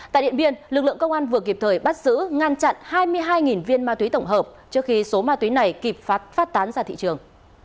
tại điện biên lực lượng công an vừa kịp thời bắt giữ ngăn chặn hai mươi hai viên ma túy tổng hợp trước khi số ma túy này kịp phát tán ra thị trường